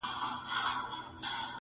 • ورته یاد سي خپل اوږده لوی سفرونه -